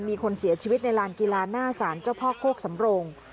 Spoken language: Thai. มีคนเสียชีวิตในลานกีฬาหน้าสารเจ้าพ่อโคกสำรง